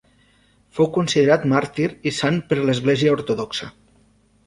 Fou considerat màrtir i sant per l'Església ortodoxa.